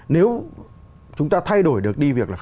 nếu chúng ta thay đổi được đi việc